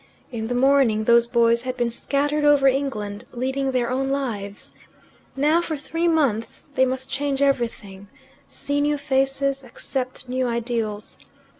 In the morning those boys had been scattered over England, leading their own lives. Now, for three months, they must change everything see new faces, accept new ideals.